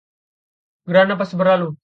Gerhana pasti berlalu